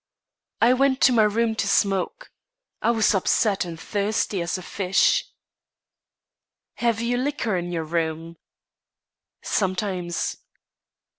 "I went to my room to smoke. I was upset and thirsty as a fish." "Have you liquor in your room?" "Sometimes."